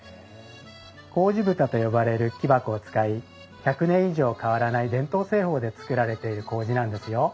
麹蓋と呼ばれる木箱を使い１００年以上変わらない伝統製法で作られている麹なんですよ。